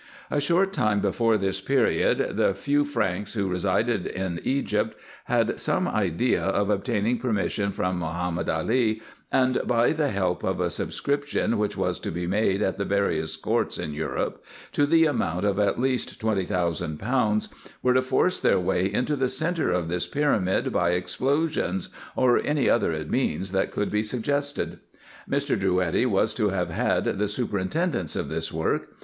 A short time before this period the few Franks who resided in Egypt had some 256 RESEARCHES AND OPERATIONS idea of obtaining permission from Mahomed Ali, and by the help of a subscription, which was to be made at the various Courts in Europe to the amount of at least ^20,000, were to force their way into the centre of this pyramid by explosions, or any other means that could be suggested. Mr. Drouetti was to have had the super intendence of this work.